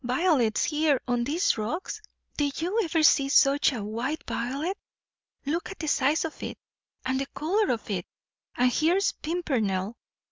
Violets here, on these rocks?" "Did you ever see such a white violet? Look at the size of it, and the colour of it. And here's pimpernel.